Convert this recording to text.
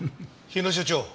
日野所長。